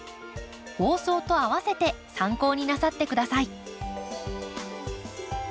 放送とあわせて参考になさって下さい。